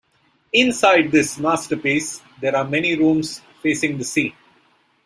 Inside this masterpiece there are many rooms facing the sea.